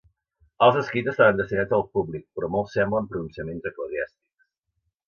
Els escrits estaven destinats al públic però molts semblen pronunciaments eclesiàstics.